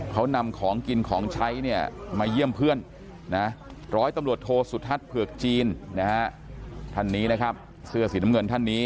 เขานำของกินของใช้มาเยี่ยมเพื่อน